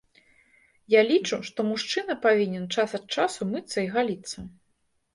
Я лічу, што мужчына павінен час ад часу мыцца і галіцца.